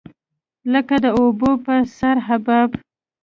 لکه د اوبو په سر حباب.